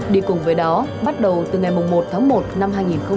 đi cùng với đó bắt đầu từ ngày một tháng một năm hai nghìn hai mươi